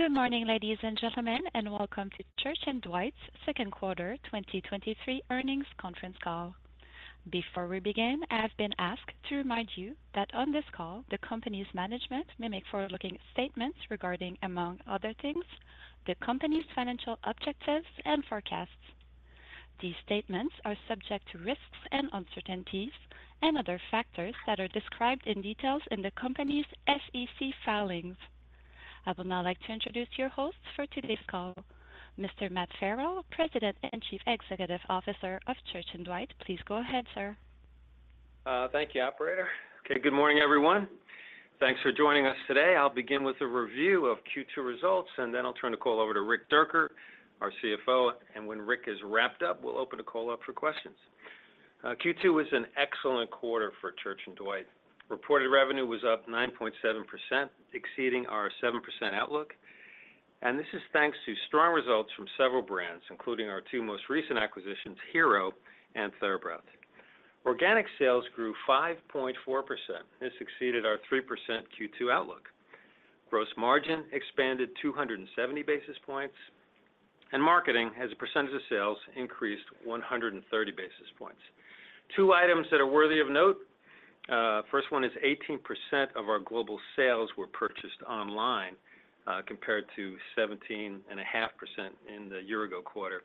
Good morning, ladies and gentlemen, and welcome to Church & Dwight's Second Quarter 2023 Earnings Conference Call. Before we begin, I have been asked to remind you that on this call, the company's management may make forward-looking statements regarding, among other things, the company's financial objectives and forecasts. These statements are subject to risks and uncertainties and other factors that are described in details in the company's SEC filings. I would now like to introduce your host for today's call, Mr. Matt Farrell, President and Chief Executive Officer of Church & Dwight. Please go ahead, sir. Thank you, operator. Okay, good morning, everyone. Thanks for joining us today. I'll begin with a review of Q2 results. Then I'll turn the call over to Rick Dierker, our CFO. When Rick is wrapped up, we'll open the call up for questions. Q2 was an excellent quarter for Church & Dwight. Reported revenue was up 9.7%, exceeding our 7% outlook. This is thanks to strong results from several brands, including our two most recent acquisitions, Hero and TheraBreath. Organic sales grew 5.4%. This exceeded our 3% Q2 outlook. Gross margin expanded 270 basis points. Marketing as a percentage of sales increased 130 basis points. Two items that are worthy of note. First one is 18% of our global sales were purchased online, compared to 17.5% in the year ago quarter.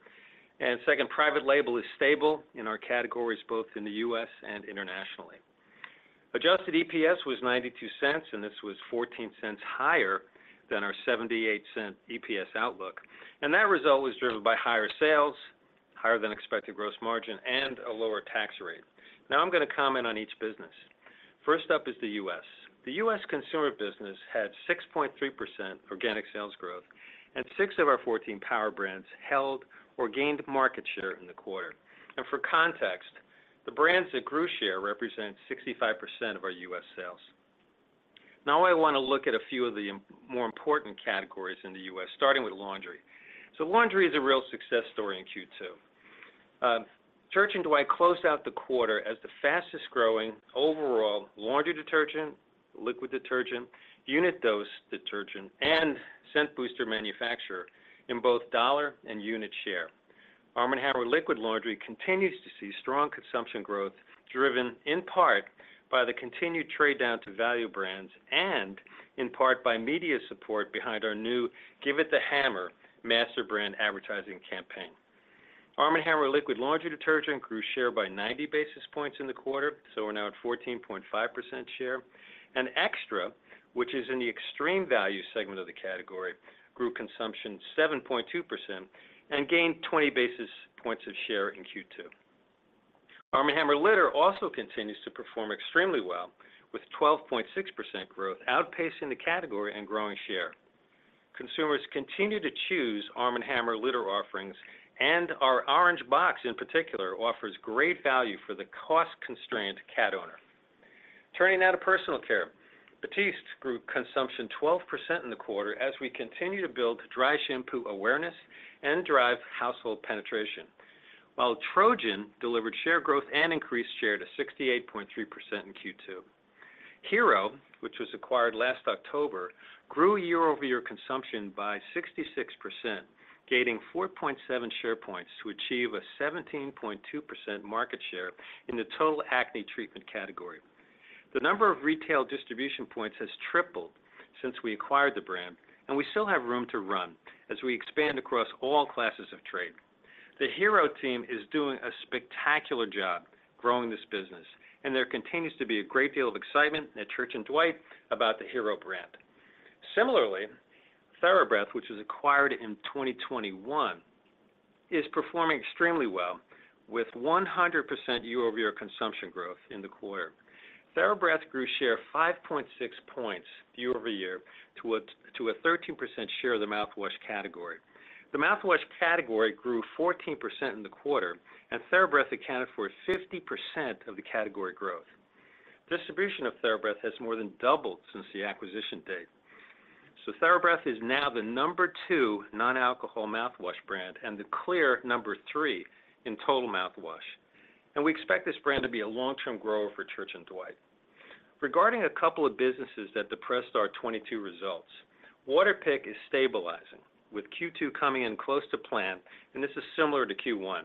And second, private label is stable in our categories, both in the U.S. and internationally. Adjusted EPS was $0.92, and this was $0.14 higher than our $0.78 EPS outlook. And that result was driven by higher sales, higher than expected gross margin, and a lower tax rate. Now, I'm going to comment on each business. First up is the U.S. The U.S. consumer business had 6.3% organic sales growth, and 6 of our 14 power brands held or gained market share in the quarter. And for context, the brands that grew share represent 65% of our U.S. sales. I want to look at a few of the more important categories in the U.S., starting with laundry. Laundry is a real success story in Q2. Church & Dwight closed out the quarter as the fastest-growing overall laundry detergent, liquid detergent, unit dose detergent, and scent booster manufacturer in both dollar and unit share. Arm & Hammer liquid laundry continues to see strong consumption growth, driven in part by the continued trade down to value brands and in part by media support behind our new Give It the Hammer master brand advertising campaign. Arm & Hammer liquid laundry detergent grew share by 90 basis points in the quarter, so we're now at 14.5% share, and Xtra, which is in the extreme value segment of the category, grew consumption 7.2% and gained 20 basis points of share in Q2. Arm & Hammer Litter also continues to perform extremely well, with 12.6% growth, outpacing the category and growing share. Consumers continue to choose Arm & Hammer Litter offerings, and our orange box, in particular, offers great value for the cost-constrained cat owner. Turning now to personal care. Batiste grew consumption 12% in the quarter as we continue to build dry shampoo awareness and drive household penetration. While Trojan delivered share growth and increased share to 68.3% in Q2. Hero, which was acquired last October, grew year-over-year consumption by 66%, gaining 4.7 share points to achieve a 17.2% market share in the total acne treatment category. The number of retail distribution points has tripled since we acquired the brand, and we still have room to run as we expand across all classes of trade. The Hero team is doing a spectacular job growing this business, and there continues to be a great deal of excitement at Church & Dwight about the Hero brand. Similarly, TheraBreath, which was acquired in 2021, is performing extremely well with 100% year-over-year consumption growth in the quarter. TheraBreath grew share 5.6 points year-over-year to a 13% share of the mouthwash category. The mouthwash category grew 14% in the quarter, TheraBreath accounted for 50% of the category growth. Distribution of TheraBreath has more than doubled since the acquisition date. TheraBreath is now the number two non-alcohol mouthwash brand and the clear number three in total mouthwash, and we expect this brand to be a long-term grower for Church & Dwight. Regarding a couple of businesses that depressed our 2022 results, Waterpik is stabilizing, with Q2 coming in close to plan, and this is similar to Q1.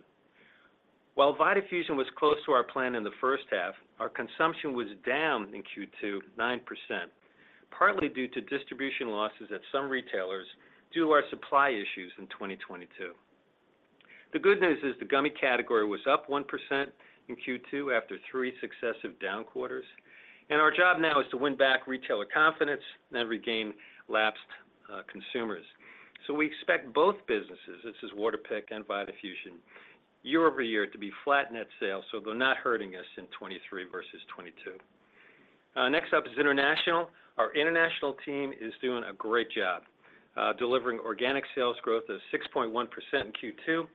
While Vitafusion was close to our plan in the first half, our consumption was down in Q2, 9%, partly due to distribution losses at some retailers due to our supply issues in 2022. The good news is the gummy category was up 1% in Q2 after three successive down quarters, and our job now is to win back retailer confidence and regain lapsed consumers. We expect both businesses, this is Waterpik and Vitafusion, year-over-year to be flat net sales, so they're not hurting us in 2023 versus 2022. Next up is international. Our international team is doing a great job, delivering organic sales growth of 6.1% in Q2,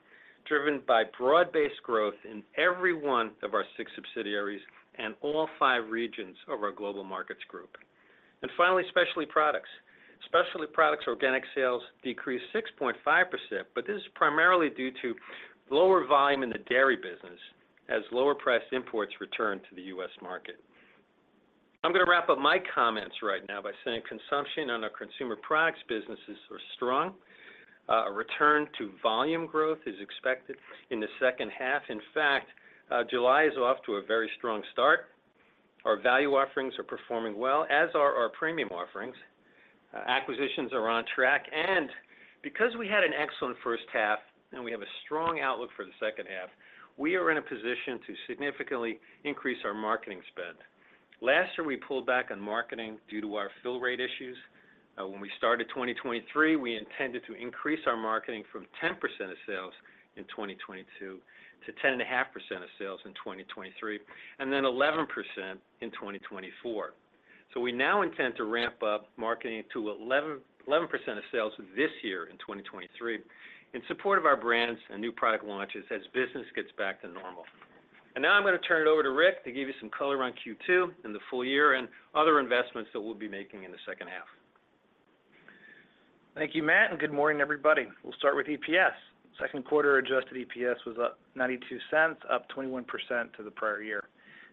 driven by broad-based growth in every one of our six subsidiaries and all five regions of our Global Markets Group. Finally, Specialty Products. Specialty Products organic sales decreased 6.5%, but this is primarily due to lower volume in the dairy business as lower-priced imports return to the U.S. market. I'm gonna wrap up my comments right now by saying consumption on our consumer products businesses are strong. A return to volume growth is expected in the second half. In fact, July is off to a very strong start. Our value offerings are performing well, as are our premium offerings. Acquisitions are on track, and because we had an excellent first half, and we have a strong outlook for the second half, we are in a position to significantly increase our marketing spend. Last year, we pulled back on marketing due to our fill rate issues. When we started 2023, we intended to increase our marketing from 10% of sales in 2022 to 10.5% of sales in 2023, and then 11% in 2024. We now intend to ramp up marketing to 11% of sales this year in 2023 in support of our brands and new product launches as business gets back to normal. Now I'm gonna turn it over to Rick to give you some color on Q2 and the full year and other investments that we'll be making in the second half. Thank you, Matt. Good morning, everybody. We'll start with EPS. Second quarter adjusted EPS was up $0.92, up 21% to the prior year.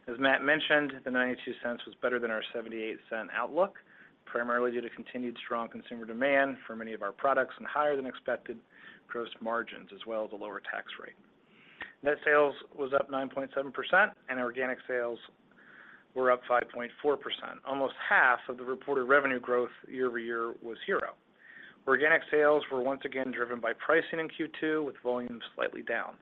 As Matt mentioned, the $0.92 was better than our $0.78 outlook, primarily due to continued strong consumer demand for many of our products and higher than expected gross margins, as well as a lower tax rate. Net sales was up 9.7%, and organic sales were up 5.4%. Almost half of the reported revenue growth year-over-year was zero. Organic sales were once again driven by pricing in Q2, with volume slightly down.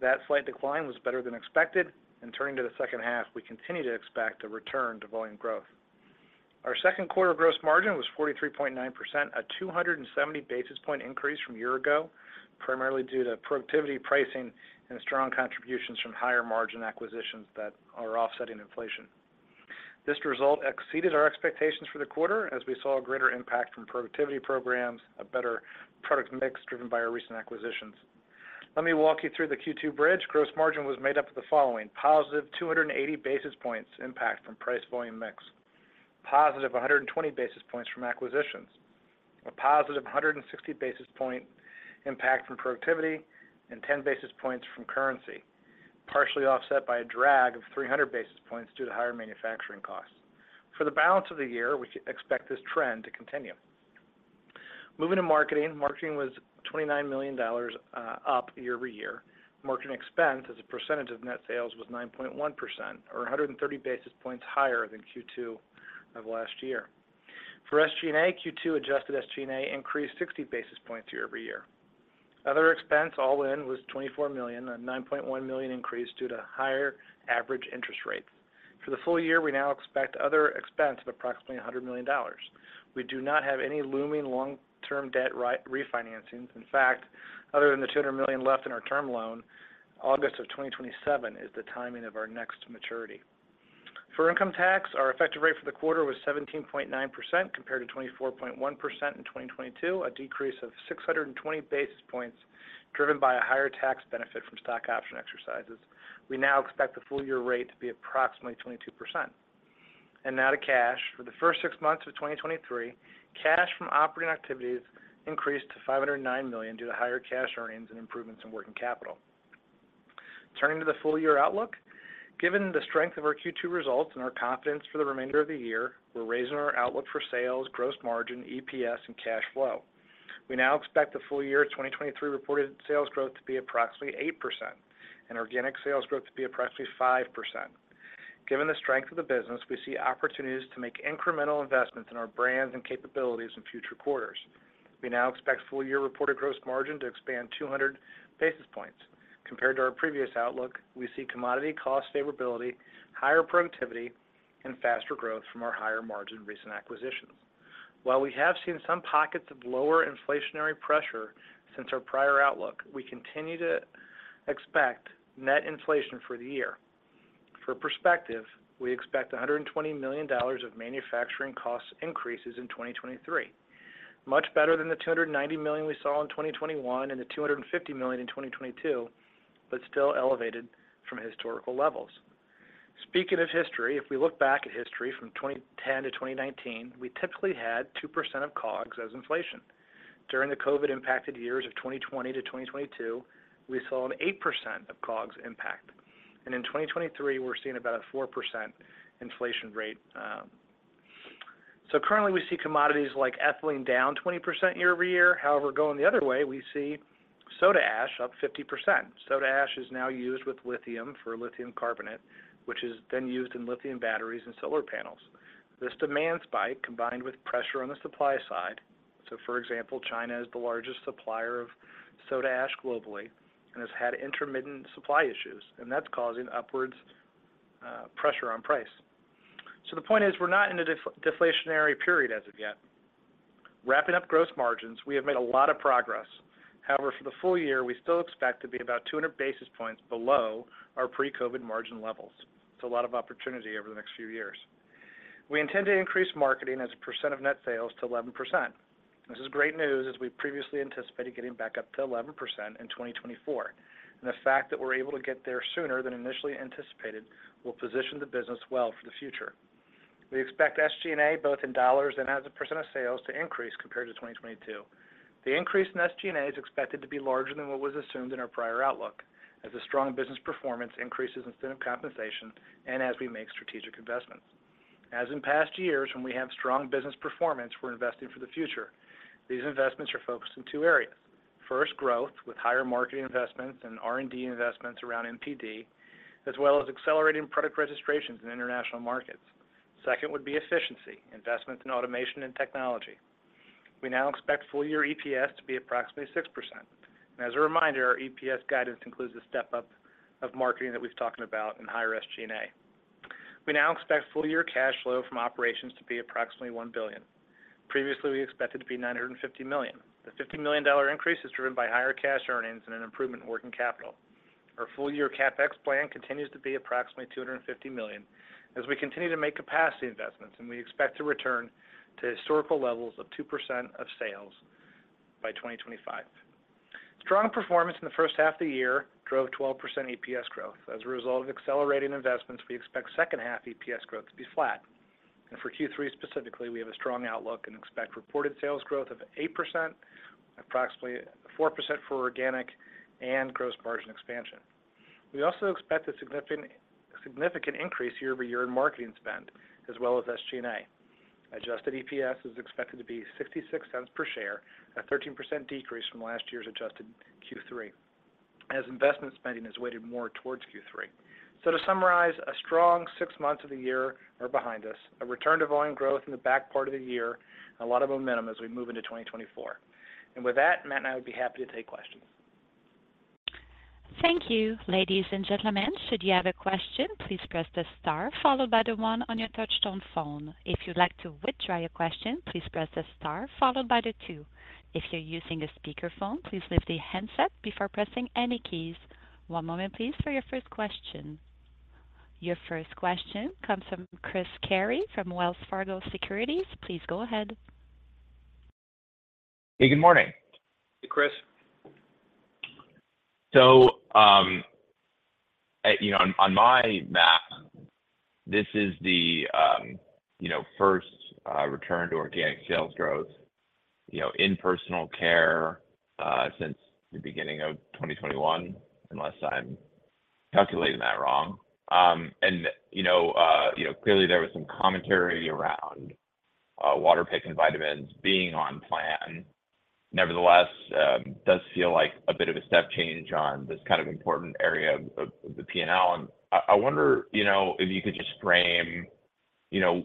That slight decline was better than expected, and turning to the second half, we continue to expect a return to volume growth. Our second quarter gross margin was 43.9%, a 270 basis point increase from a year ago, primarily due to productivity pricing and strong contributions from higher margin acquisitions that are offsetting inflation. This result exceeded our expectations for the quarter as we saw a greater impact from productivity programs, a better product mix driven by our recent acquisitions. Let me walk you through the Q2 bridge. Gross margin was made up of the following: Positive 280 basis points impact from price volume mix, positive 120 basis points from acquisitions, a positive 160 basis point impact from productivity, 10 basis points from currency, partially offset by a drag of 300 basis points due to higher manufacturing costs. For the balance of the year, we expect this trend to continue. Moving to marketing. Marketing was $29 million, up year-over-year. Marketing expense as a percentage of net sales was 9.1%, or 130 basis points higher than Q2 of last year. For SG&A, Q2 adjusted SG&A increased 60 basis points year-over-year. Other expense all in was $24 million, a $9.1 million increase due to higher average interest rates. For the full year, we now expect other expense of approximately $100 million. We do not have any looming long-term debt refinancing. In fact, other than the $200 million left in our term loan, August of 2027 is the timing of our next maturity. For income tax, our effective rate for the quarter was 17.9%, compared to 24.1% in 2022, a decrease of 620 basis points, driven by a higher tax benefit from stock option exercises. We now expect the full year rate to be approximately 22%. Now to cash. For the first six months of 2023, cash from operating activities increased to $509 million due to higher cash earnings and improvements in working capital. Turning to the full year outlook. Given the strength of our Q2 results and our confidence for the remainder of the year, we're raising our outlook for sales, gross margin, EPS, and cash flow. We now expect the full year 2023 reported sales growth to be approximately 8% and organic sales growth to be approximately 5%. Given the strength of the business, we see opportunities to make incremental investments in our brands and capabilities in future quarters. We now expect full year reported gross margin to expand 200 basis points. Compared to our previous outlook, we see commodity cost favorability, higher productivity, and faster growth from our higher margin recent acquisitions. While we have seen some pockets of lower inflationary pressure since our prior outlook, we continue to expect net inflation for the year. For perspective, we expect $120 million of manufacturing cost increases in 2023. Much better than the $290 million we saw in 2021 and the $250 million in 2022, but still elevated from historical levels. Speaking of history, if we look back at history from 2010 to 2019, we typically had 2% of COGS as inflation. During the COVID impacted years of 2020 to 2022, we saw an 8% of COGS impact, and in 2023, we're seeing about a 4% inflation rate. Currently, we see commodities like ethylene down 20% year-over-year. However, going the other way, we see soda ash up 50%. Soda ash is now used with lithium for lithium carbonate, which is then used in lithium batteries and solar panels. This demand spike, combined with pressure on the supply side, so for example, China is the largest supplier of soda ash globally and has had intermittent supply issues, and that's causing upwards pressure on price. The point is, we're not in a def- deflationary period as of yet. Wrapping up gross margins, we have made a lot of progress. However, for the full year, we still expect to be about 200 basis points below our pre-COVID margin levels. It's a lot of opportunity over the next few years. We intend to increase marketing as a % of net sales to 11%. This is great news, as we previously anticipated getting back up to 11% in 2024. The fact that we're able to get there sooner than initially anticipated will position the business well for the future. We expect SG&A, both in dollars and as a % of sales, to increase compared to 2022. The increase in SG&A is expected to be larger than what was assumed in our prior outlook. As a strong business performance increases incentive compensation and as we make strategic investments. As in past years, when we have strong business performance, we're investing for the future. These investments are focused in two areas. First, growth, with higher marketing investments and R&D investments around NPD, as well as accelerating product registrations in international markets. Second, would be efficiency, investments in automation and technology. We now expect full year EPS to be approximately 6%. As a reminder, our EPS guidance includes a step-up of marketing that we've talking about in higher SG&A. We now expect full year cash flow from operations to be approximately $1 billion. Previously, we expected to be $950 million. The $50 million increase is driven by higher cash earnings and an improvement in working capital. Our full-year CapEx plan continues to be approximately $250 million as we continue to make capacity investments. We expect to return to historical levels of 2% of sales by 2025. Strong performance in the first half of the year drove 12% EPS growth. As a result of accelerating investments, we expect second half EPS growth to be flat. For Q3 specifically, we have a strong outlook and expect reported sales growth of 8%, approximately 4% for organic and gross margin expansion. We also expect a significant, significant increase year-over-year in marketing spend, as well as SG&A. Adjusted EPS is expected to be $0.66 per share, a 13% decrease from last year's adjusted Q3, as investment spending is weighted more towards Q3. To summarize, a strong six months of the year are behind us, a return to volume growth in the back part of the year, and a lot of momentum as we move into 2024. With that, Matt and I would be happy to take questions. Thank you. Ladies and gentlemen, should you have a question, please press the star followed by the 1 on your touchtone phone. If you'd like to withdraw your question, please press the star followed by the 2. If you're using a speakerphone, please lift the handset before pressing any keys. One moment, please, for your first question. Your first question comes from Chris Carey from Wells Fargo Securities. Please go ahead. Hey, good morning. Hey, Chris. On my math, this is the first return to organic sales growth, you know, in personal care, since the beginning of 2021, unless I'm calculating that wrong. Clearly there was some commentary around Waterpik and vitamins being on plan. Nevertheless, does feel like a bit of a step change on this important area of the P&L. I wonder if you could just frame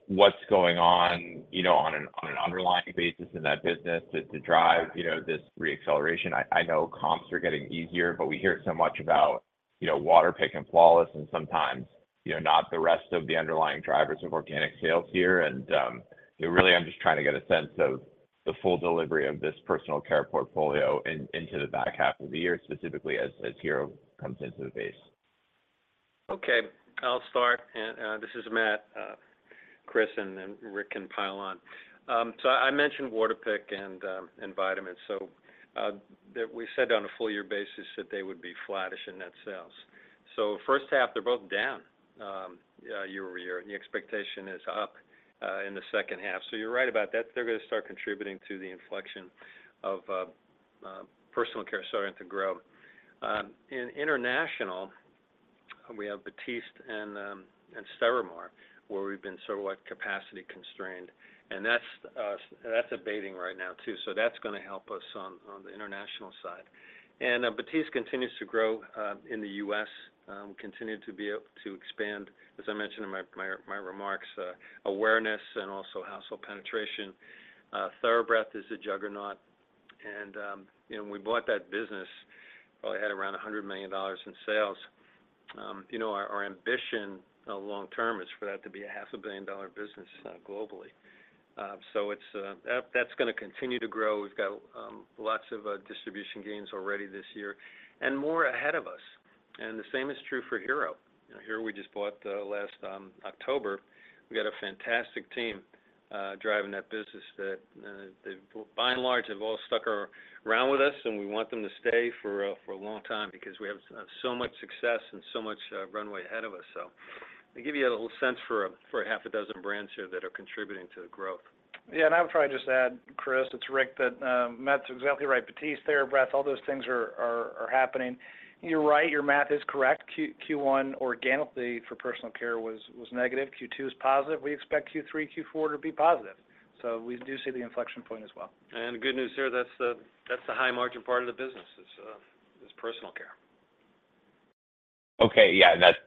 what's going on an underlying basis in that business to drive this re-acceleration. I know comps are getting easier, but we hear it so much about Waterpik and Flawless, and sometimes not the rest of the underlying drivers of organic sales here. I'm just trying to get a sense of the full delivery of this personal care portfolio into the back half of the year, specifically as, as Hero comes into the base. Okay, I'll start. This is Matt, Chris, and then Rick can pile on. I mentioned Waterpik and vitamins. That we said on a full-year basis that they would be flattish in net sales. First half, they're both down year-over-year, and the expectation is up in the second half. You're right about that. They're gonna start contributing to the inflection of personal care starting to grow. Internationally, we have Batiste and Sterimar, where we've been somewhat capacity constrained, and that's abating right now, too. That's gonna help us on the international side. Batiste continues to grow in the U.S., continued to be able to expand, as I mentioned in my remarks, awareness and also household penetration. TheraBreath is a juggernaut, and we bought that business, probably had around $100 million in sales. Our ambition, long term, is for that to be a $500 million business, globally. That's gonna continue to grow. We've got lots of distribution gains already this year and more ahead of us. The same is true for Hero. Hero we just bought last October. We got a fantastic team driving that business that they, by and large, have all stuck around with us, and we want them to stay for a, for a long time because we have so much success and so much runway ahead of us. They give you a little sense for a half a dozen brands here that are contributing to the growth. I would probably just add, Chris Carey, it's Rick Dierker, that Matt Farrell's exactly right. Batiste, TheraBreath, all those things are, are, are happening. You're right, your math is correct. Q1, organically for personal care was negative. Q2 is positive. We expect Q3, Q4 to be positive. We do see the inflection point as well. The good news here, that's the high-margin part of the business, is personal care.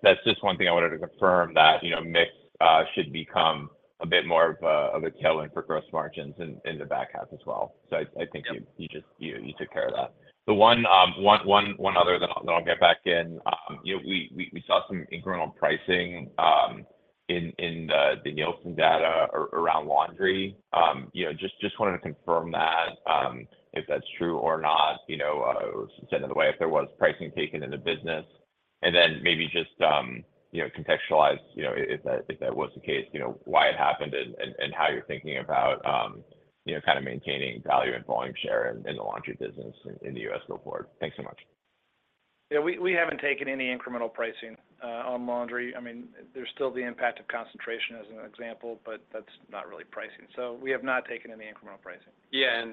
That's just one thing I wanted to confirm that mix, should become a bit more of a tailwind for gross margins in the back half as well. You took care of that. The one other, then I'll get back in. We saw some incremental pricing in the Nielsen data around laundry. Just wanted to confirm that, if that's true or not said in the way, if there was pricing taken in the business, and then maybe just, you know, contextualize, you know, if that was the case, you know, why it happened and how you're thinking about maintaining value and volume share in the laundry business in the US going forward. Thanks so much. We haven't taken any incremental pricing, on laundry. I mean, there's still the impact of concentration as an example, but that's not really pricing. We have not taken any incremental pricing. Yeah,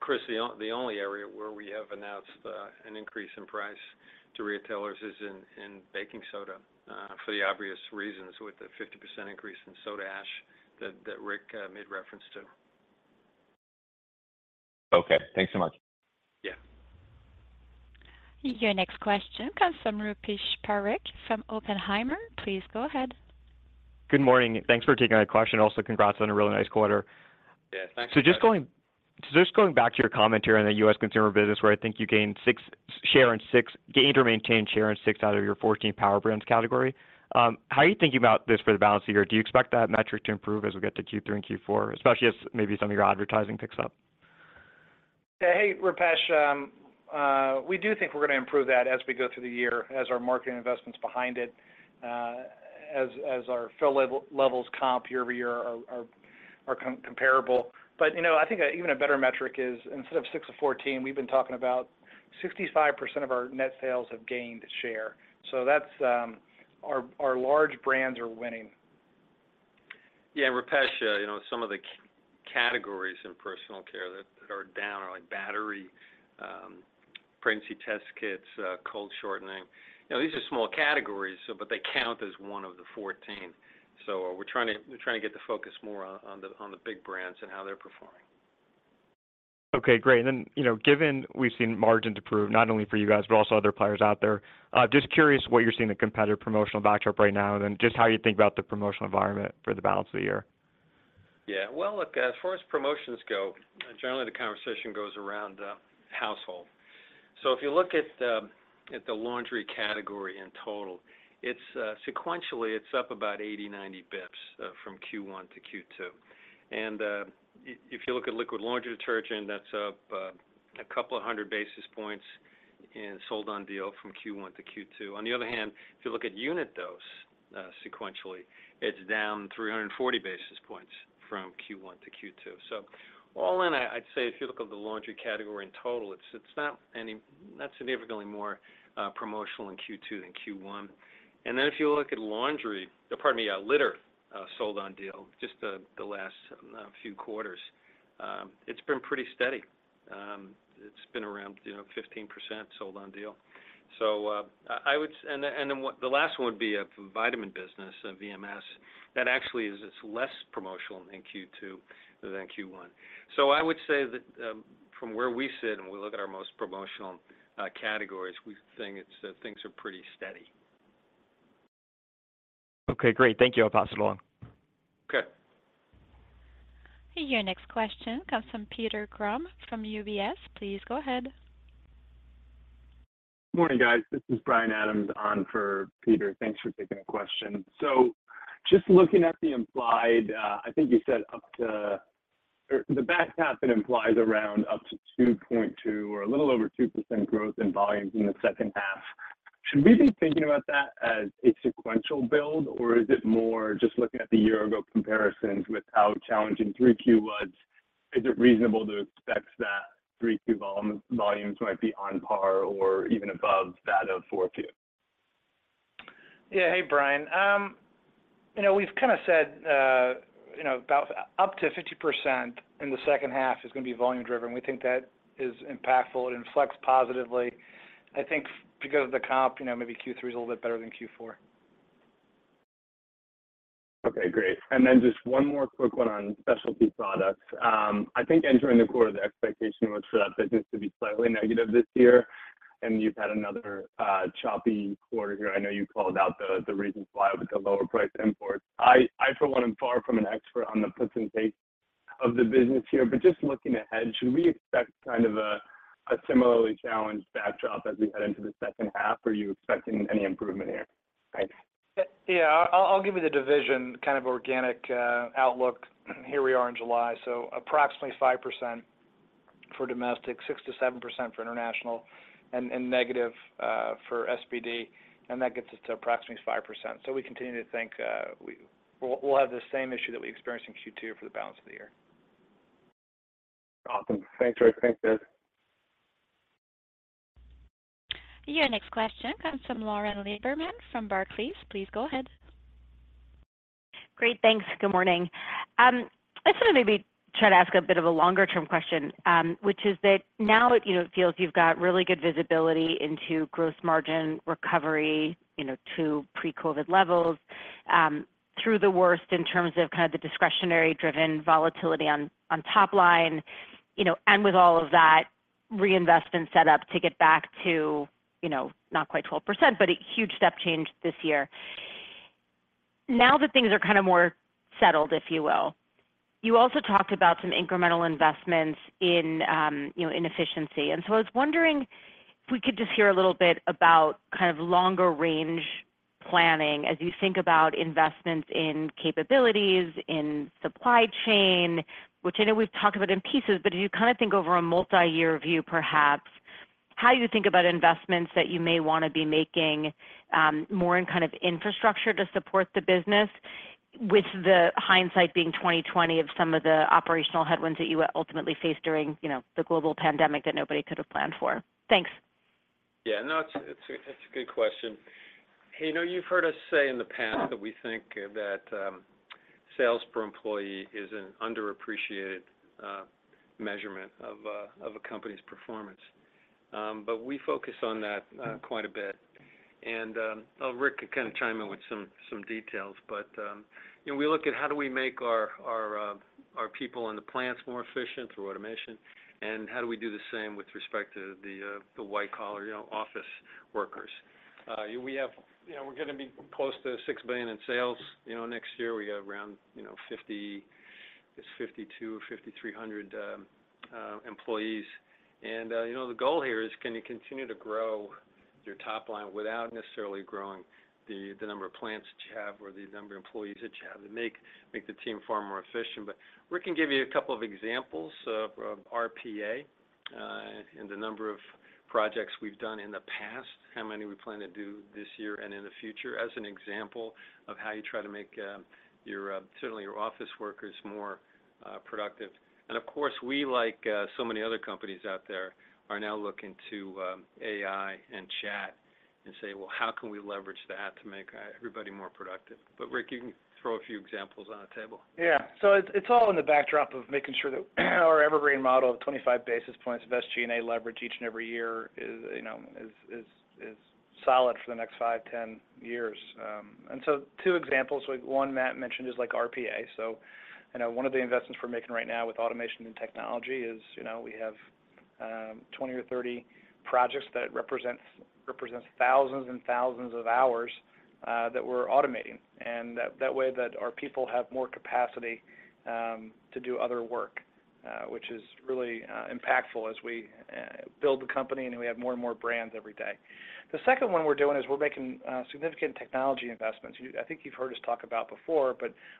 Chris, the only area where we have announced an increase in price to retailers is in baking soda, for the obvious reasons, with the 50% increase in soda ash that Rick, made reference to. Okay, thanks so much. Your next question comes from Rupesh Parikh from Oppenheimer. Please go ahead. Good morning. Thanks for taking my question. Also, congrats on a really nice quarter. Just going to your comment here on the U.S. consumer business, where I think you gained or maintained share in six out of your 14 power brands category. How are you thinking about this for the balance of the year? Do you expect that metric to improve as we get to Q3 and Q4, especially as maybe some of your advertising picks up? Hey, Rupesh, we do think we're going to improve that as we go through the year, as our marketing investments behind it, as our fill level, levels comp year-over-year are comparable. You know, I think, even a better metric is instead of 6-14, we've been talking about 65% of our net sales have gained share. That's, our large brands are winning. Rupesh, some of the categories in personal care that are down are like battery, pregnancy test kits, cold shortening. These are small categories, so but they count as one of the 14. We're trying to to get the focus more on the big brands and how they're performing. Okay, great. Given we've seen margin to improve, not only for you guys, but also other players out there, just curious what you're seeing the competitive promotional backdrop right now, and then just how you think about the promotional environment for the balance of the year? Yeah. Well, look, as far as promotions go, generally the conversation goes around household. If you look at the laundry category in total, it's sequentially, it's up about 80, 90 basis points from Q1 to Q2. If you look at liquid laundry detergent, that's up a couple of 100 basis points and sold on deal from Q1 to Q2. On the other hand, if you look at unit dose, sequentially, it's down 340 basis points from Q1 to Q2. All in, I, I'd say if you look at the laundry category in total, it's not significantly more promotional in Q2 than Q1. If you look at laundry, pardon me, litter, sold on deal, just the last few quarters, it's been pretty steady. It's been around, you know, 15% sold on deal. I would the last one would be vitamin business, VMS. That actually is, it's less promotional in Q2 than Q1. I would say that, from where we sit, and we look at our most promotional categories, we think it's things are pretty steady. Okay, great. Thank you. I'll pass it along. Okay. Your next question comes from Peter Grom, from UBS. Please go ahead. Good morning, guys. This is Bryan Adams on for Peter. Thanks for taking the question. Just looking at the implied, I think you said up to, or the back half, it implies around up to 2.2% or a little over 2% growth in volumes in the second half. Should we be thinking about that as a sequential build, or is it more just looking at the year-ago comparisons with how challenging 3Q was? Is it reasonable to expect that 3Q volumes might be on par or even above that of 4Q? Yeah. Hey, Brian, you know, we've kind of said, you know, about up to 50% in the second half is going to be volume-driven, and we think that is impactful. It inflects positively, I think, because of the comp, you know, maybe Q3 is a little bit better than Q4. Okay, great. Just one more quick one on Specialty Products. I think entering the quarter, the expectation was for that business to be slightly negative this year, and you've had another choppy quarter here. I know you called out the reasons why with the lower price imports. I for one, am far from an expert on the puts and takes of the business here, just looking ahead, should we expect kind of a imilarly challenged backdrop as we head into the second half? Are you expecting any improvement here? I'll give you the division, kind of organic, outlook. Here we are in July. Approximately 5% for domestic, 6%-7% for international. Negative for SPD. That gets us to approximately 5%. We continue to think, we'll have the same issue that we experienced in Q2 for the balance of the year. Awesome. Thanks, Rick. Thanks, guys. Your next question comes from Lauren Lieberman, from Barclays. Please go ahead. Great, thanks. Good morning. I just want to maybe try to ask a bit of a longer-term question, which is that now, you know, it feels you've got really good visibility into gross margin recovery, you know, to pre-COVID levels, through the worst in terms of kind of the discretionary-driven volatility on, on top line, you know, and with all of that reinvestment set up to get back to, you know, not quite 12%, but a huge step change this year. Now that things are kind of more settled, if you will, you also talked about some incremental investments in, you know, in efficiency. I was wondering if we could just hear a little bit about kind of longer range planning as you think about investments in capabilities, in supply chain, which I know we've talked about in pieces, but as you kind of think over a multi-year view, perhaps, how you think about investments that you may want to be making, more in kind of infrastructure to support the business, with the hindsight being 20/20 of some of the operational headwinds that you ultimately faced during, you know, the global pandemic that nobody could have planned for? Thanks. It's a, it's a good question. You've heard us say in the past that we think that sales per employee is an underappreciated measurement of a company's performance. We focus on that quite a bit. Rick can kind of chime in with some details, but we look at how do we make our people in the plants more efficient through automation, and how do we do the same with respect to the white-collar office workers? We're gonna be close to $6 billion in sales next year. We have around 5,000-5,300 employees. The goal here is, can you continue to grow your top line without necessarily growing the number of plants that you have or the number of employees that you have to make, make the team far more efficient? Rick can give you a couple of examples of RPA, and the number of projects we've done in the past, how many we plan to do this year and in the future, as an example of how you try to make, your, certainly your office workers more productive. Of course, we so many other companies out there, are now looking to, AI and chat and say, "Well, how can we leverage that to make everybody more productive?" Rick, you can throw a few examples on the table. It's all in the backdrop of making sure that our evergreen model of 25 basis points of SG&A leverage each and every year is, you know, is solid for the next 5, 10 years. 2 examples, like one Matt mentioned, is like RPA. one of the investments we're making right now with automation and technology is, we have 20 or 30 projects that represents thousands and thousands of hours that we're automating. That, that way, that our people have more capacity to do other work, which is really impactful as we build the company, and we have more and more brands every day. The second one we're doing is we're making significant technology investments. I think you've heard us talk about before,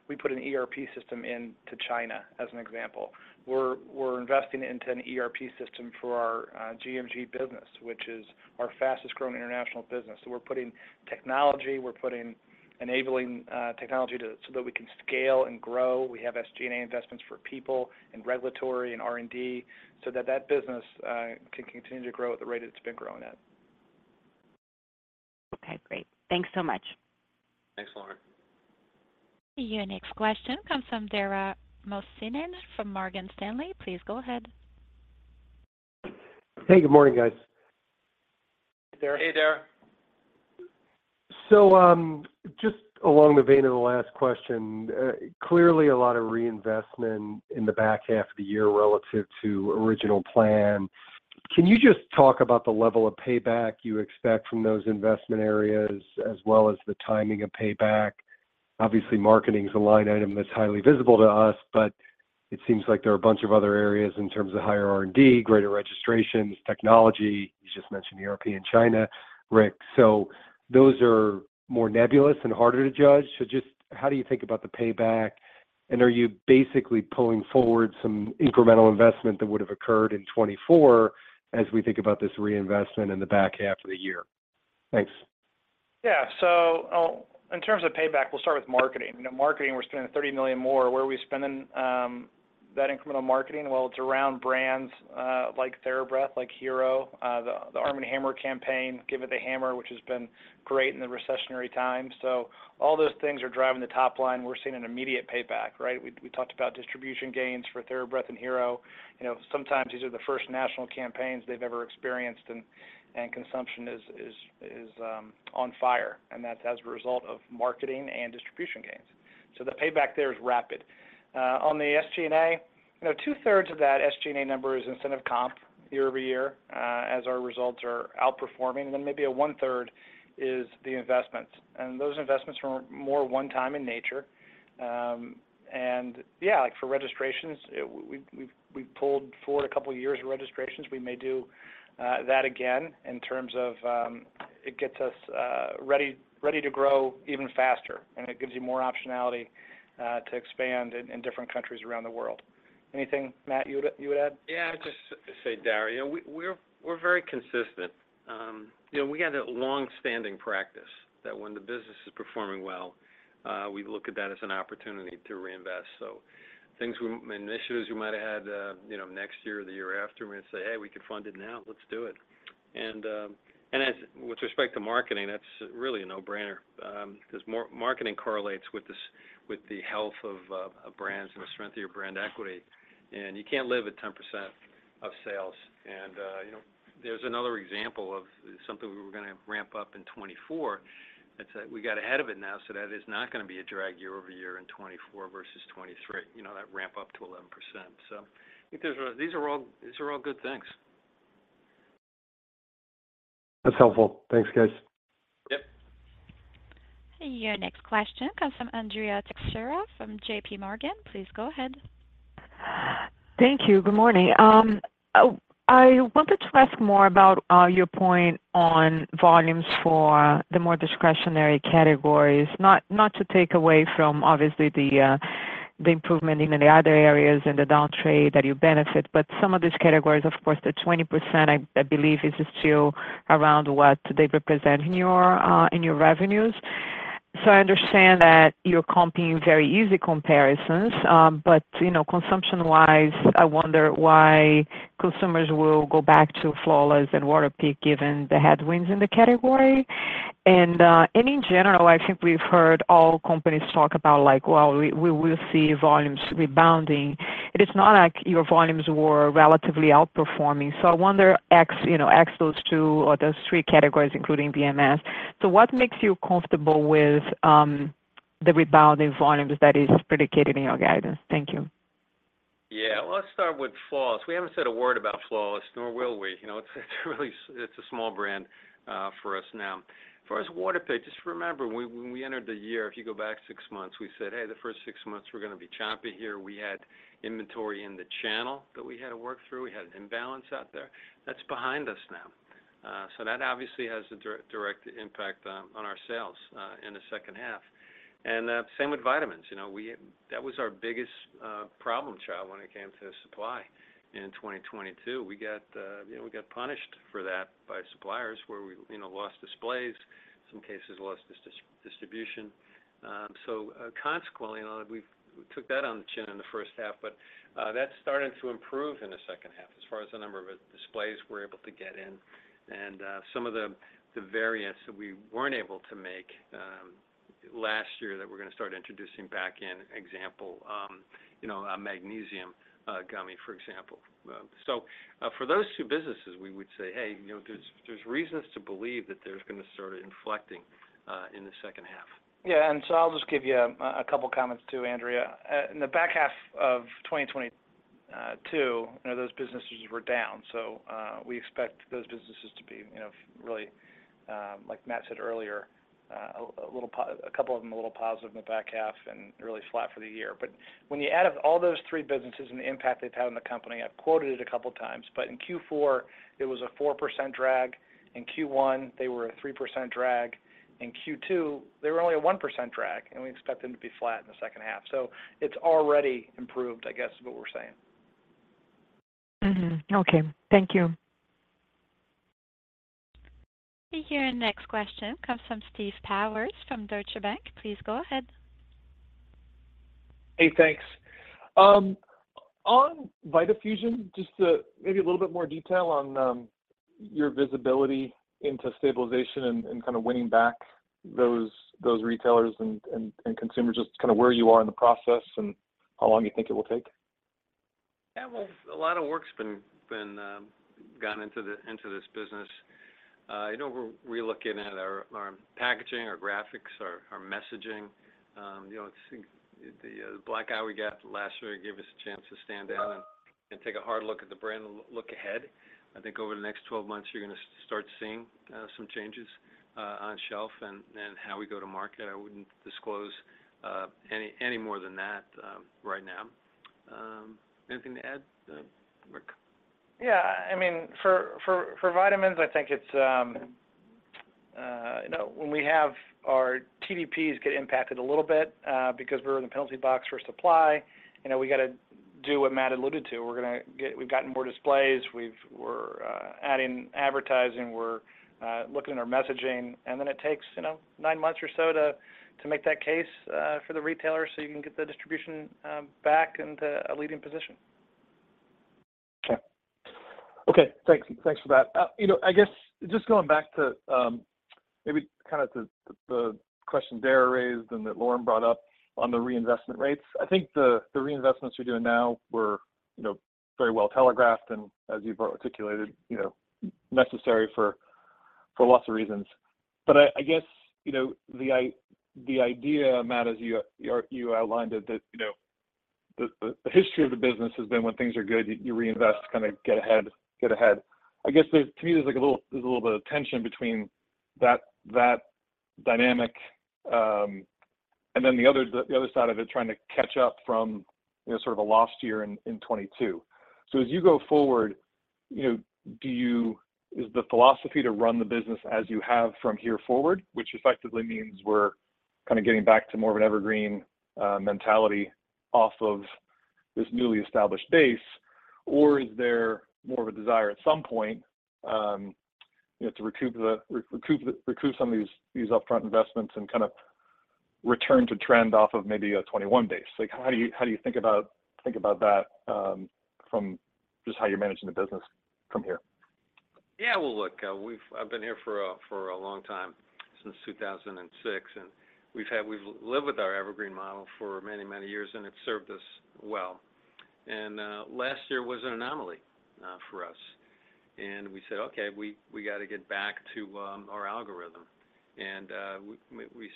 we put an ERP system into China, as an example. We're, we're investing into an ERP system for our GMG business, which is our fastest-growing international business. We're putting technology, we're putting enabling technology so that we can scale and grow. We have SG&A investments for people and regulatory and R&D, so that the business can continue to grow at the rate it's been growing at. Okay, great. Thanks so much. Thanks, Lauren. Your next question comes from Dara Mohsenian from Morgan Stanley. Please go ahead. Hey, good morning, guys. Just along the vein of the last question, clearly a lot of reinvestment in the back half of the year relative to original plan. Can you just talk about the level of payback you expect from those investment areas, as well as the timing of payback? Obviously, marketing is a line item that's highly visible to us, but it seems like there are a bunch of other areas in terms of higher R&D, greater registrations, technology. You just mentioned European, China, Rick. Those are more nebulous and harder to judge. Just how do you think about the payback, and are you basically pulling forward some incremental investment that would have occurred in 2024 as we think about this reinvestment in the back half of the year? Thanks. In terms of payback, we'll start with marketing. Marketing, we're spending $30 million more. Where are we spending that incremental marketing? Well, it's around brands like TheraBreath, like Hero, the Arm & Hammer campaign, Give It The Hammer, which has been great in the recessionary time. All those things are driving the top line, we're seeing an immediate payback, right? We, we talked about distribution gains for TheraBreath and Hero. You know, sometimes these are the first national campaigns they've ever experienced, and consumption is on fire, and that's as a result of marketing and distribution gains. The payback there is rapid. On the SG&A, you know, 2/3 of that SG&A number is incentive comp year-over-year, as our results are outperforming, and then maybe a 1/3 is the investments. Those investments are more one-time in nature. And yeah, like for registrations we've pulled forward two years of registrations. We may do that again in terms of, getting us ready to grow even faster, and it gives you more optionality to expand in different countries around the world. Anything, Matt, you would add? Just to say, Dara, we're very consistent. We had a long-standing practice that when the business is performing well, we look at that as an opportunity to reinvest. Things and initiatives we might have had next year or the year after, we're going to say, "Hey, we can fund it now. Let's do it." As with respect to marketing, that's really a no-brainer, 'cause marketing correlates with the with the health of, a brands and the strength of your brand equity, and you can't live at 10% of sales. You know, there's another example of something we were gonna ramp up in 2024, that's, we got ahead of it now, so that is not gonna be a drag year-over-year in 2024 versus 2023. You know, that ramp up to 11%. I think these are all, these are all good things. That's helpful. Thanks, guys. Your next question comes from Andrea Teixeira, from JPMorgan. Please go ahead. Thank you. Good morning. I wanted to ask more about your point on volumes for the more discretionary categories. Not, not to take away from, obviously, the improvement in the other areas in the down trade that you benefit, but some of these categories, of course, the 20%, I, I believe, is still around what they represent in your revenues. I understand that you're comping very easy comparisons, but, you know, consumption-wise, I wonder why customers will go back to Flawless and Waterpik, given the headwinds in the category? In general, I think we've heard all companies talk about like, well, we, we will see volumes rebounding, and it's not like your volumes were relatively outperforming. I wonder ex, you know, ex those two or those three categories, including VMS. What makes you comfortable with the rebounding volumes that is predicated in your guidance? Thank you. Yeah. Well, let's start with Flawless. We haven't said a word about Flawless, nor will we. You know, it's really a small brand for us now. As far as Waterpik, just remember, when, when we entered the year, if you go back six months, we said, "Hey, the first six months, we're gonna be choppy here." We had inventory in the channel that we had to work through. We had an imbalance out there. That's behind us now. That obviously has a direct impact on our sales in the second half. Same with vitamins. You know, that was our biggest problem child when it came to supply in 2022. We got punished for that by suppliers where we lost displays, some cases lost distribution. Consequently, we took that on the chin in the first half, but that started to improve in the second half as far as the number of displays we're able to get in. Some of the variants that we weren't able to make last year, that we're gonna start introducing back in, example a magnesium gummy, for example. For those two businesses, we would say, "Hey, you know, there's, there's reasons to believe that there's gonna start inflecting in the second half. Yeah, I'll just give you a couple comments too, Andrea. In the back half of 2022, you know, those businesses were down. We expect those businesses to be really, like Matt said earlier, a little positive in the back half and really flat for the year. When you add up all those 3 businesses and the impact they've had on the company, I've quoted it a couple of times, but in Q4, it was a 4% drag. In Q1, they were a 3% drag. In Q2, they were only a 1% drag, and we expect them to be flat in the second half. It's already improved, I guess, is what we're saying. Okay. Thank you. Your next question comes from Steve Powers from Deutsche Bank. Please go ahead. Hey, thanks. On Vitafusion, just to maybe a little bit more detail on your visibility into stabilization and winning back those, those retailers and consumers, just where you are in the process and how long you think it will take? Yeah, well, a lot of work's been gone into this business. You know, we're relooking at our packaging, our graphics our messaging. You know, it's the black eye we got last year gave us a chance to stand down and take a hard look at the brand and look ahead. I think over the next 12 months, you're gonna start seeing some changes on shelf and how we go to market. I wouldn't disclose any more than that right now. Anything to add, Rick? For vitamins, I think it's, you know, when we have our TDPs get impacted a little bit, because we're in the penalty box for supply, you know, we got to do what Matt alluded to. We're gonna get we've gotten more displays, we've we're adding advertising, we're looking at our messaging, and then it takes, you know, nine months or so to, to make that case, for the retailer so you can get the distribution, back into a leading position. Okay, thanks. Thanks for that. You know, I guess just going back to maybe kind of the question Dara raised and that Lauren brought up on the reinvestment rates. I think the reinvestments you're doing now were very well telegraphed, and as you've articulated necessary for lots of reasons. The idea, Matt, as you outlined it, that the history of the business has been when things are good, you reinvest to kind of get ahead. I guess to me, there's like a little bit of tension between that, that dynamic, and then the other side of it, trying to catch up from sort of a lost year in 2022. As you go forward is the philosophy to run the business as you have from here forward, which effectively means we're kind of getting back to more of an evergreen mentality off of this newly established base, or is there more of a desire at some point, you know, to recoup some of these upfront investments and kind of return to trend off of maybe a 2021 base? Like, how do you think about, think about that from just how you're managing the business from here? I've been here for a, for a long time, since 2006, and we've lived with our evergreen model for many, many years, and it served us well. Last year was an anomaly for us. We said: Okay, we got to get back to our algorithm. We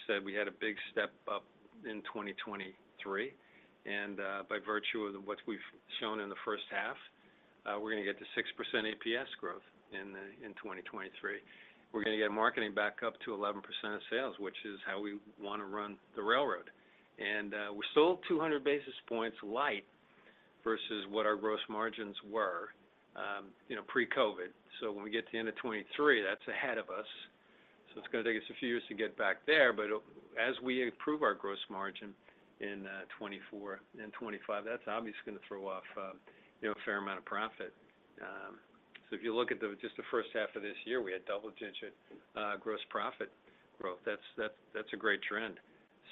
aid we had a big step up in 2023, and, by virtue of what we've shown in the first half, we're gonna get to 6% EPS growth in 2023. We're gonna get marketing back up to 11% of sales, which is how we wanna run the railroad. We're still 200 basis points light versus what our gross margins were, you know, pre-COVID. When we get to the end of 2023, that's ahead of us. It's gonna take us a few years to get back there, but it'll, as we improve our gross margin in 2024 and 2025, that's obviously gonna throw off, you know, a fair amount of profit. If you look at just the first half of this year, we had double-digit gross profit growth. That's a great trend.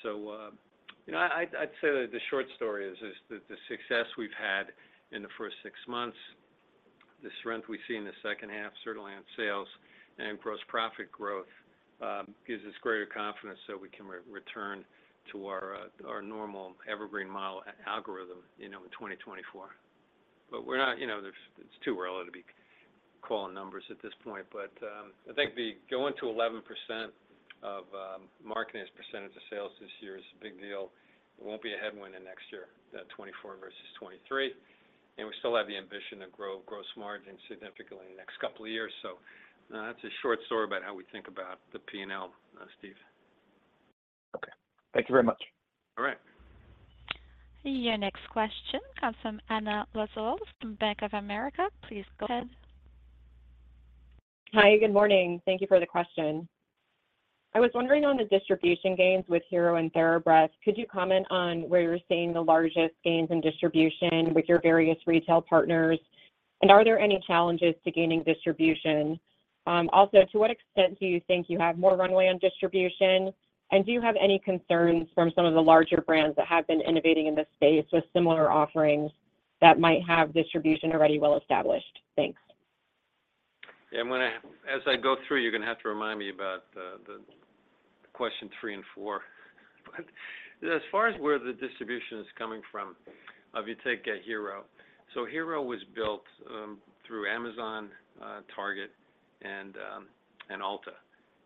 You know, I'd say that the short story is, is that the success we've had in the first 6 months, the strength we see in the second half, certainly on sales and gross profit growth, gives us greater confidence so we can re-return to our normal evergreen model algorithm in 2024. We're not- You know, there's it's too early to be calling numbers at this point, but, I think the going to 11% of marketing as a percentage of sales this year is a big deal. It won't be a headwind in next year, 2024 versus 2023. We still have the ambition to grow gross margin significantly in the next couple of years. That's a short story about how we think about the P&L, Steve. Okay, thank you very much. Your next question comes from Anna Lizzul from Bank of America. Please go ahead. Hi, good morning. Thank you for the question. I was wondering on the distribution gains with Hero and TheraBreath, could you comment on where you're seeing the largest gains in distribution with your various retail partners? Are there any challenges to gaining distribution? Also, to what extent do you think you have more runway on distribution? Do you have any concerns from some of the larger brands that have been innovating in this space with similar offerings, that might have distribution already well established? Thanks. As I go through, you're gonna have to remind me about the question 3 and 4. As far as where the distribution is coming from, if you take Hero. Hero was built through Amazon, Target, and Ulta,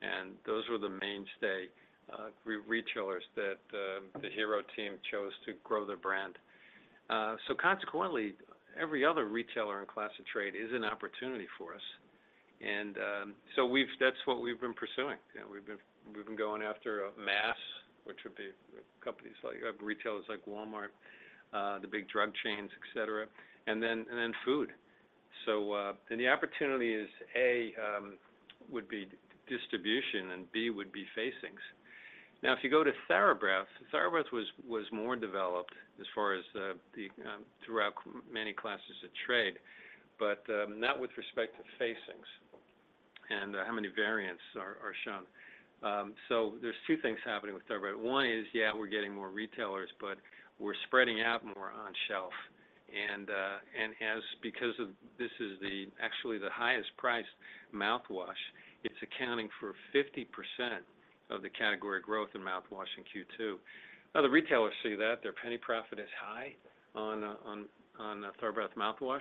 and those were the mainstay re-retailers that the Hero team chose to grow their brand. Consequently, every other retailer in class of trade is an opportunity for us. we've-- that's what we've been pursuing. You know, we've been, we've been going after Mass, which would be companies like retailers like Walmart, the big drug chains, et cetera, and then, and then food. The opportunity is, A, would be distribution, and B, would be facings. If you go to TheraBreath, TheraBreath was, was more developed as far as the throughout many classes of trade, but not with respect to facings and how many variants are, are shown. There's 2 things happening with TheraBreath. One is, yeah, we're getting more retailers, but we're spreading out more on shelf. As because of this is the actually the highest priced mouthwash, it's accounting for 50% of the category growth in mouthwash in Q2. The retailers see that their penny profit is high on TheraBreath mouthwash,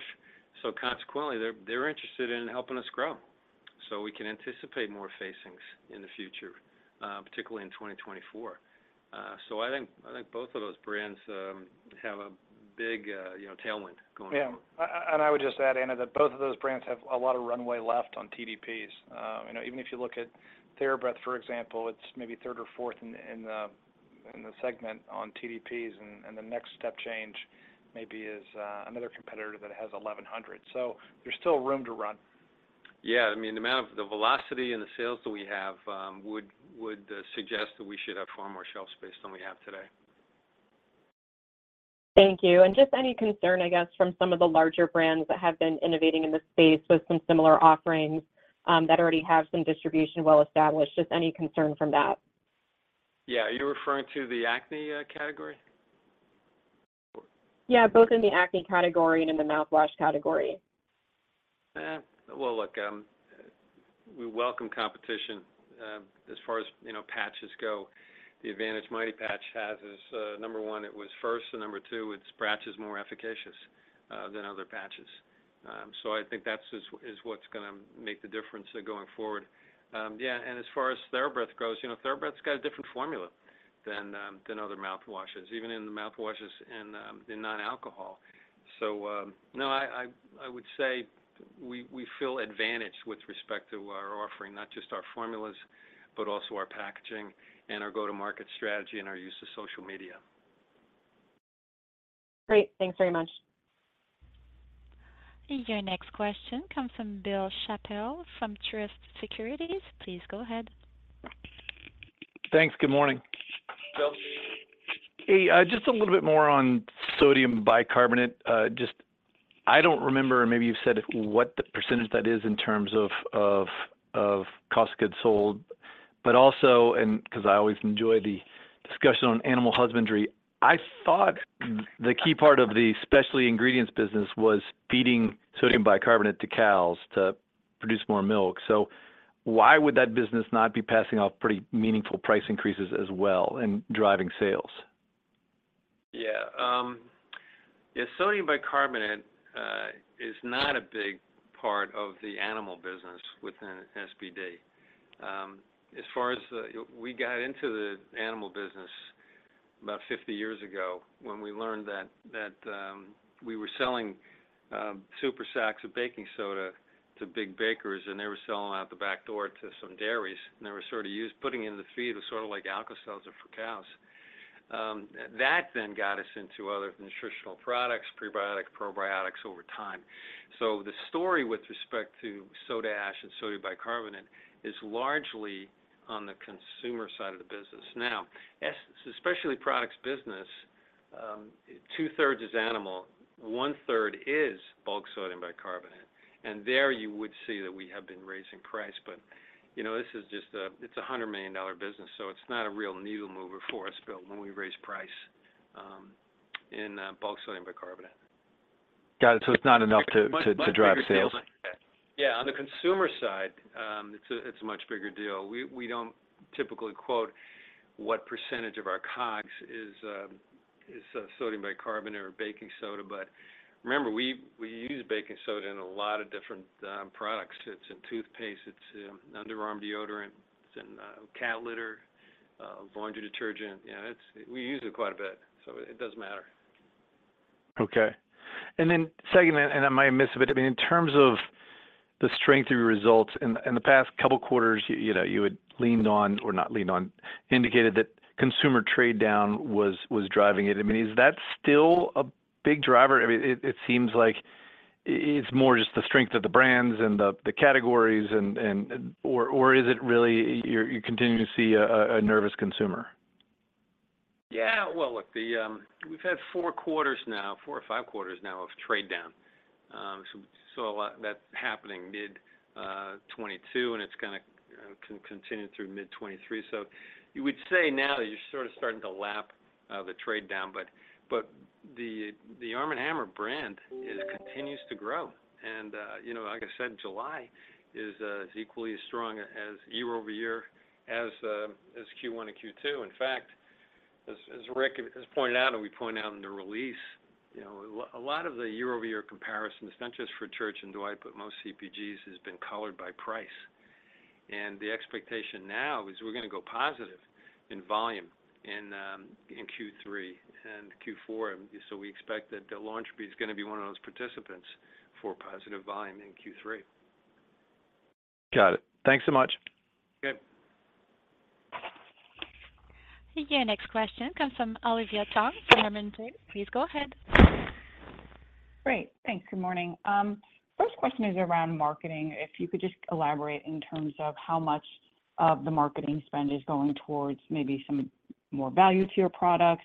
consequently, they're interested in helping us grow. We can anticipate more facings in the future, particularly in 2024. I think, I think both of those brands have a big, you know, tailwind going forward. Yeah. I would just add, Anna, that both of those brands have a lot of runway left on TDPs. You know, even if you look at TheraBreath, for example, it's maybe third or fourth in the segment on TDPs, and the next step change maybe is another competitor that has 1,100. There's still room to run. Yeah, I mean, the amount of the velocity and the sales that we have, would, would, suggest that we should have far more shelf space than we have today. Thank you. Just any concern, I guess, from some of the larger brands that have been innovating in this space with some similar offerings, that already have some well-established distribution. Just any concern from that? Yeah. Are you referring to the acne category? Yeah, both in the acne category and in the mouthwash category. Well, look, we welcome competition. As far as, you know, patches go, the advantage Mighty Patch has is, number one, it was first, and number two, its patch is more efficacious than other patches. I think that's what's gonna make the difference going forward. Yeah, as far as TheraBreath goes, you know, TheraBreath's got a different formula than other mouthwashes, even in the mouthwashes. No, I would say we feel advantaged with respect to our offering, not just our formulas, but also our packaging and our go-to-market strategy, and our use of social media. Great. Thanks very much. Your next question comes from Bill Chappell, from Truist Securities. Please go ahead. Thanks. Good morning. Hey, just a little bit more on sodium bicarbonate. I don't remember, and maybe you've said, what the % that is in terms of, of, of cost goods sold, but also, and 'cause I always enjoy the discussion on animal husbandry, I thought the key part of the specialty ingredients business was feeding sodium bicarbonate to cows to produce more milk. Why would that business not be passing off pretty meaningful price increases as well and driving sales? Yeah, yeah, sodium bicarbonate is not a big part of the animal business within SPD. As far as, we got into the animal business about 50 years ago, when we learned that, that, we were selling super sacks of baking soda to big bakers. They were selling them out the back door to some dairies. They were sort of used, putting in the feed was sort of like Alka-Seltzer for cows. That then got us into other nutritional products, prebiotic, probiotics over time. The story with respect to soda ash and sodium bicarbonate is largely on the consumer side of the business. Now, as Specialty Products business, 2/3 is animal, 1/3 is bulk sodium bicarbonate. There you would see that we have been raising price, but, you know, this is just it's a $100 million business, so it's not a real needle mover for us, Bill, when we raise price. In bulk sodium bicarbonate. Got it. It's not enough to drive sales? Yeah, on the consumer side, it's a much bigger deal. We, we don't typically quote what percentage of our COGS is, is sodium bicarbonate or baking soda, but remember, we, we use baking soda in a lot of different products. It's in toothpaste, it's in underarm deodorant, it's in cat litter, laundry detergent. You know, we use it quite a bit, so it does matter. Okay. Then second, I mean, in terms of the strength of your results in the past couple quarters, you know, you had leaned on, or not leaned on, indicated that consumer trade down was driving it. I mean, is that still a big driver? I mean, it seems like it's more just the strength of the brands and the categories or is it really you're continuing to see a nervous consumer? We've had four quarters now, four or five quarters now of trade down. That's happening mid 2022, and it's gonna continue through mid 2023. You would say now that you're sort of starting to lap the trade down, but the Arm & Hammer brand continues to grow. Like I said, July is equally as strong as year-over-year, as Q1 and Q2. In fact, as Rick has pointed out, and we pointed out in the release, you know, a lot of the year-over-year comparisons, it's not just for Church & Dwight, but most CPGs, has been colored by price. The expectation now is we're gonna go positive in volume in Q3 and Q4. We expect that the laundry is gonna be one of those participants for positive volume in Q3. Got it. Thanks so much. Your next question comes from Olivia Tong from Raymond James. Please go ahead. Great, thanks. Good morning. First question is around marketing. If you could just elaborate in terms of how much of the marketing spend is going towards maybe some more value to your products,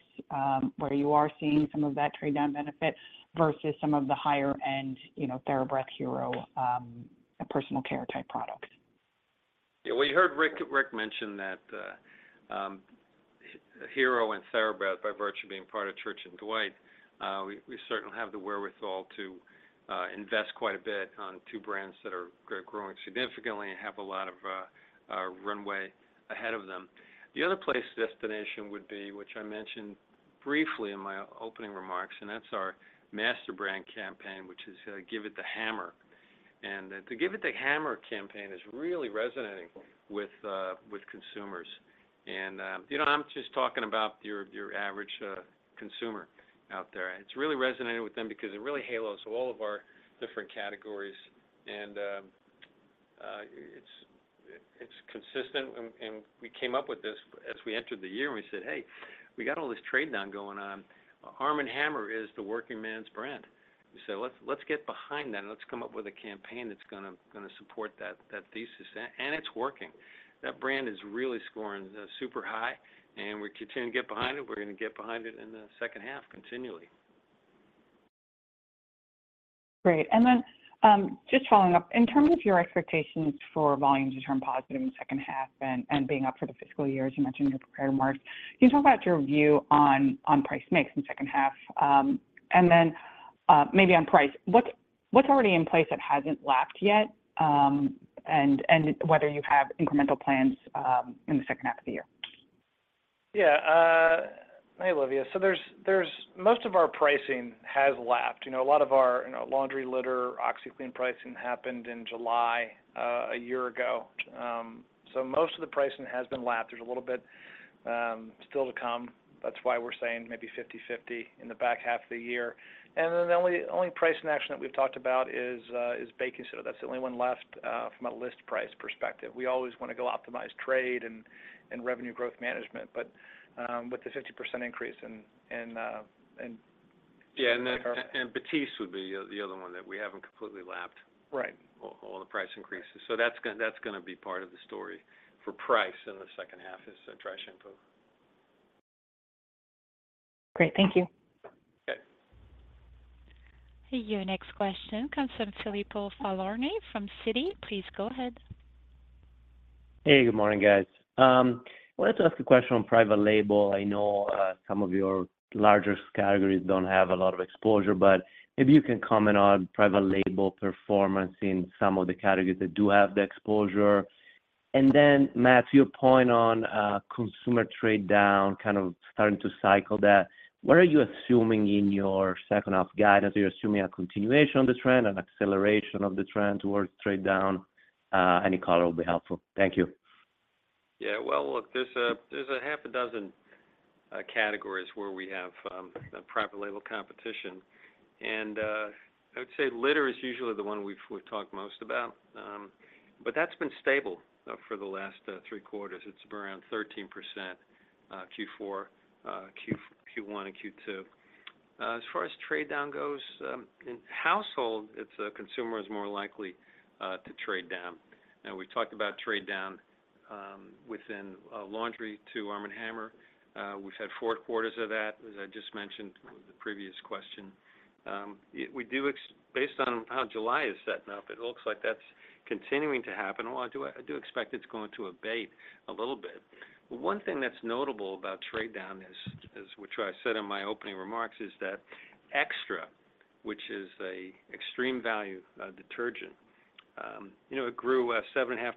where you are seeing some of that trade-down benefit versus some of the higher end, you know, TheraBreath, Hero, personal care type products. Well, you heard Rick mention that Hero and TheraBreath, by virtue of being part of Church & Dwight, we certainly have the wherewithal to invest quite a bit on two brands that are growing significantly and have a lot of runway ahead of them. The other place destination would be, which I mentioned briefly in my opening remarks, that's our master brand campaign, which is Give It The Hammer. The Give It The Hammer campaign is really resonating with consumers. You know, I'm just talking about your average consumer out there. It's really resonating with them because it really halos all of our different categories, and it's consistent. We came up with this as we entered the year, and we said: Hey, we got all this trade down going on. Arm & Hammer is the working man's brand. We said, "Let's get behind that, and let's come up with a campaign that's gonna, gonna support that, that thesis." It's working. That brand is really scoring, super high, and we continue to get behind it. We're gonna get behind it in the second half, continually. Great. Then, just following up, in terms of your expectations for volume to turn positive in the second half and being up for the fiscal year, as you mentioned in your prepared remarks, can you talk about your view on price mix in the second half? Then, maybe on price, what's already in place that hasn't lapped yet, and whether you have incremental plans, in the second half of the year? Yeah, hey, Olivia. There's, there's most of our pricing has lapped. You know, a lot of our, you know, laundry, litter, OxiClean pricing happened in July a year ago. Most of the pricing has been lapped. There's a little bit still to come. That's why we're saying maybe 50/50 in the back half of the year. Then the only, only price action that we've talked about is baking soda. That's the only one left from a list price perspective. We always want to go optimize trade and revenue growth management, but with the 50% increase in. And Batiste would be the other one that we haven't completely lapped. All the price increases. That's gonna be part of the story for price in the second half is dry shampoo. Great. Thank you. Your next question comes from Filippo Falorni from Citi. Please go ahead. Hey, good morning, guys. I wanted to ask a question on private label. I know, some of your largest categories don't have a lot of exposure, but maybe you can comment on private label performance in some of the categories that do have the exposure. Matt, your point on, consumer trade down, kind of starting to cycle that. What are you assuming in your second half guidance? Are you assuming a continuation of the trend, an acceleration of the trend towards trade down? Any color will be helpful. Thank you. Yeah, well, look, there's a, there's a half a dozen categories where we have a private label competition, and I would say litter is usually the one we've, we've talked most about. But that's been stable for the last three quarters. It's around 13%, Q4, Q1 and Q2. As far as trade down goes, in household, it's consumer is more likely to trade down. Now, we talked about trade down within laundry to Arm & Hammer. We've had four quarters of that, as I just mentioned in the previous question. We do based on how July is setting up, it looks like that's continuing to happen, although I do, I do expect it's going to abate a little bit. One thing that's notable about trade down is, which I said in my opening remarks, is that XTRA, which is a extreme value detergent, you know, it grew 7.5%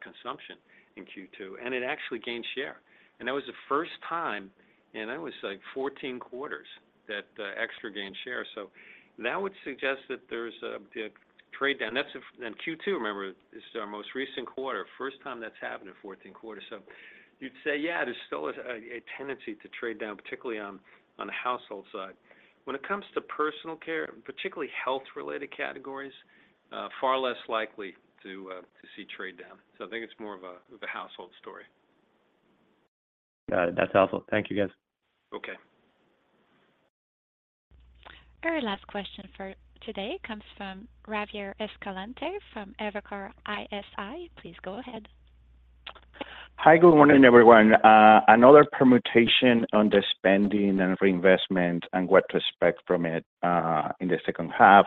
consumption in Q2, and it actually gained share. That was the first time, and that was like 14 quarters, that XTRA gained share. That would suggest that there's a, the trade down. And Q2, remember, is our most recent quarter, first time that's happened in 14 quarters. You'd say, yeah, there's still a, a tendency to trade down, particularly on, on the household side. When it comes to personal care, particularly health-related categories, far less likely to see trade down. I think it's more of a, of a household story. Got it. That's helpful. Thank you, guys. Our last question for today comes from Javier Escalante, from Evercore ISI. Please go ahead. Hi, good morning, everyone. Another permutation on the spending and reinvestment and what to expect from it in the second half.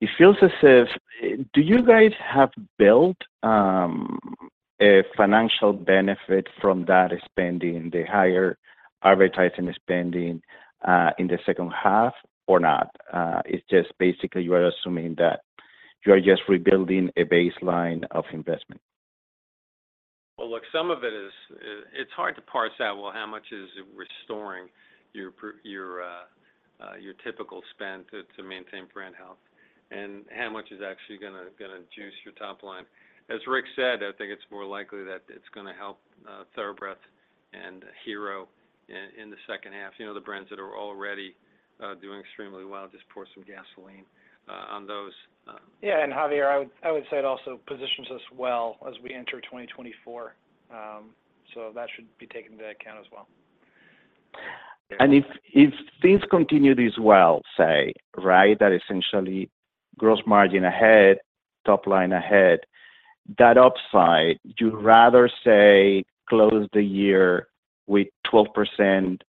It feels as if... Do you guys have built a financial benefit from that spending, the higher advertising spending in the second half or not? It's just basically you are assuming that you are just rebuilding a baseline of investment. Well, look, some of it is, it's hard to parse out, well, how much is it restoring your typical spend to maintain brand health, and how much is actually gonna, gonna juice your top line? As Rick said, I think it's more likely that it's gonna help TheraBreath and Hero in the second half. You know, the brands that are already doing extremely well, just pour some gasoline on those. Javier, I would, I would say it also positions us well as we enter 2024. That should be taken into account as well. If things continue this well, say, right, that essentially gross margin ahead, top line ahead, that upside, you'd rather, say, close the year with 12%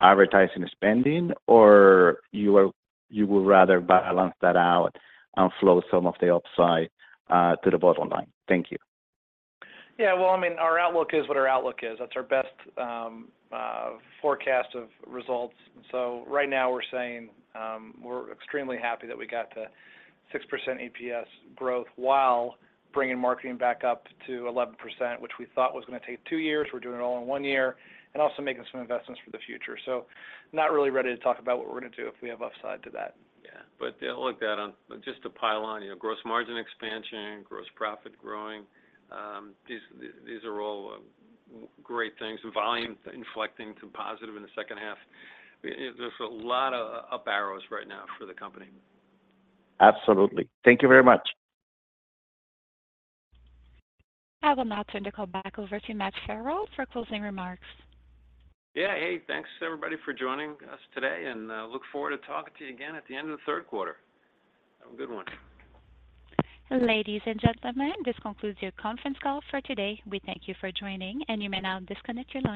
advertising spending, or you would rather balance that out and flow some of the upside to the bottom line? Thank you. Our outlook is what our outlook is. That's our best forecast of results. Right now we're saying, we're extremely happy that we got to 6% EPS growth while bringing marketing back up to 11%, which we thought was gonna take 2 years. We're doing it all in 1 year and also making some investments for the future. Not really ready to talk about what we're gonna do if we have upside to that. Just to pile on, you know, gross margin expansion, gross profit growing, these, these are all great things. Volume inflecting to positive in the second half. There's a lot of up arrows right now for the company. Absolutely. Thank you very much. I will now turn the call back over to Matt Farrell for closing remarks. Yeah. Hey, thanks everybody for joining us today, and look forward to talking to you again at the end of the third quarter. Have a good one. Ladies and gentlemen, this concludes your conference call for today. We thank you for joining, and you may now disconnect your lines.